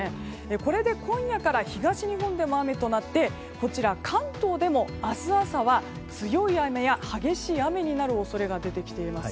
これで今夜から東日本でも雨となって関東でも明日朝は強い雨や激しい雨になる恐れが出てきています。